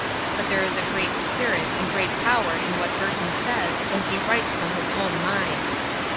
But there is great spirit and great power in what Burton says when he writes from his own mind.